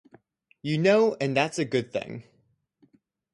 You know and that's a good thing.